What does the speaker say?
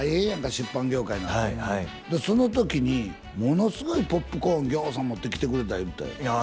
出版業界なんてその時にものすごいポップコーンぎょうさん持ってきてくれた言うてたよああ